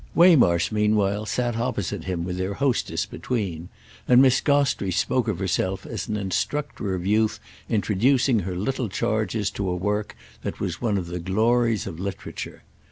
Waymarsh meanwhile sat opposite him with their hostess between; and Miss Gostrey spoke of herself as an instructor of youth introducing her little charges to a work that was one of the glories of literature.